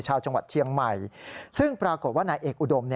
ชาวจังหวัดเชียงใหม่ซึ่งปรากฏว่านายเอกอุดม